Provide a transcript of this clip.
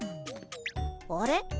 あれ？